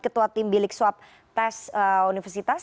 ketua tim bilik swab tes universitas